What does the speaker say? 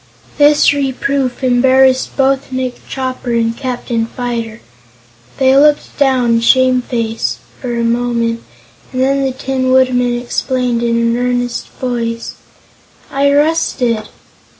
This reproof embarrassed both Nick Chopper and Captain Fyter. They looked down, shamefaced, for a moment, and then the Tin Woodman explained in an earnest voice: "I rusted."